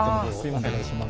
お願いします。